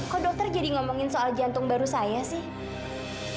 kok dokter jadi ngomongin soal jantung baru saya sih